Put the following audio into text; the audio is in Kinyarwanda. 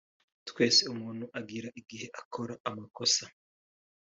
twese umuntu agira igihe akora amakosa